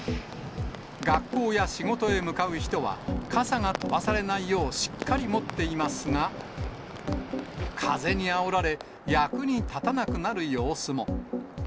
学校や仕事へ向かう人は、傘が飛ばされないよう、しっかり持っていますが、風にあおられ、役に立たなくなる様子も。